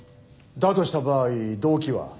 だとした場合動機は？